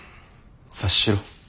察しろ。